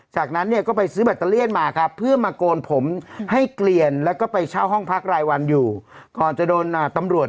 ช่วยกันก็คือใช้วิธีการเอาเคลียนแล้วตัดพูลออกมาเลย